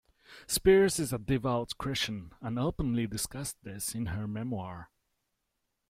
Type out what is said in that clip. Spears is a devout Christian, and openly discussed this in her memoir.